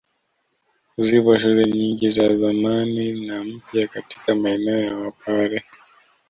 Zipo shule nyingi za zamani na mpya katika maeneo ya wapare